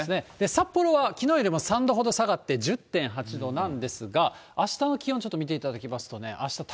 札幌はきのうよりも３度ほど下がって、１０．８度なんですが、あしたの気温、ちょっと見ていただきます